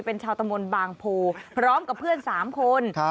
เป็นชาวตะมนต์บางโพพร้อมกับเพื่อน๓คน